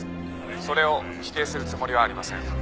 「それを否定するつもりはありません」